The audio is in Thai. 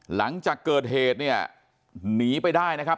หลังจากเกิดเหตุเนี่ยหนีไปได้นะครับ